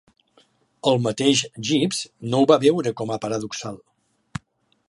El mateix Gibbs no ho va veure com a paradoxal.